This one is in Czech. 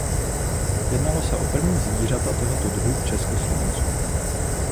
Jednalo se o první zvířata tohoto druhu v Československu.